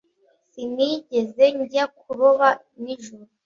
Sinigeze njya kuroba nijoro